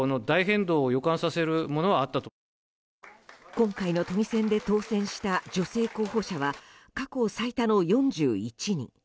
今回の都議選で当選した女性候補者は過去最多の４１人。